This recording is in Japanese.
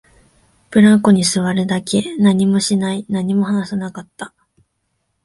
ブランコに座るだけ、何もしない、何も話さなかった